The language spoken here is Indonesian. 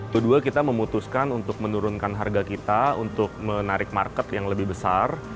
kedua kita memutuskan untuk menurunkan harga kita untuk menarik market yang lebih besar